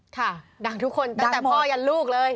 ค่ะด่าทุกคนตั้งแต่พ่อยันลูกเลย